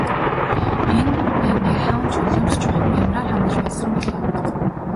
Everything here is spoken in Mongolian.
Энэ ангийнхан Чулуунд чухам ямраар хандаж байсан бол оо.